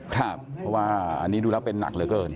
เพราะว่าอันนี้ดูแล้วเป็นหนักเหลือเกิน